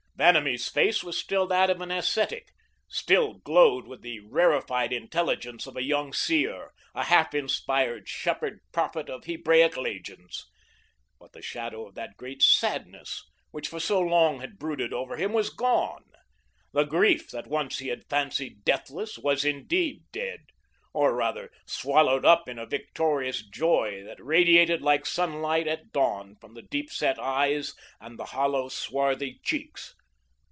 Vanamee's face was still that of an ascetic, still glowed with the rarefied intelligence of a young seer, a half inspired shepherd prophet of Hebraic legends; but the shadow of that great sadness which for so long had brooded over him was gone; the grief that once he had fancied deathless was, indeed, dead, or rather swallowed up in a victorious joy that radiated like sunlight at dawn from the deep set eyes, and the hollow, swarthy cheeks.